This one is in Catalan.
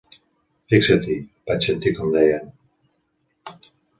"Fixat-hi", vaig sentir com deien.